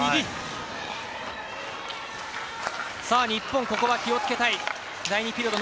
日本、ここは気をつけたい。